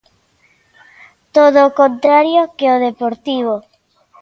Todo o contrario que o Deportivo.